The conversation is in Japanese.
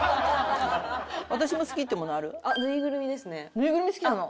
ぬいぐるみ好きなの？